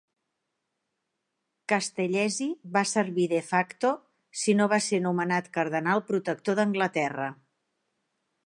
Castellesi va servir "de facto" si no va ser nomenat cardenal protector d'Anglaterra.